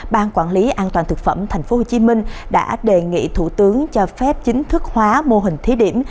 ban quản lý an toàn thực phẩm tp hcm đã đề nghị thủ tướng cho phép chính thức hóa mô hình thí điểm